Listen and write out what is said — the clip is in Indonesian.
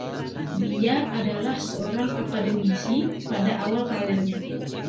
Dia adalah seorang akademisi pada awal kariernya.